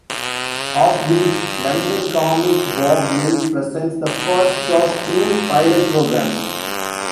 Offbeat London comic Bob Mills presents the first of two pilot programmes.